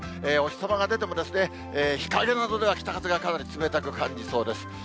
お日様が出ても、日陰などでは北風がかなり冷たく感じそうです。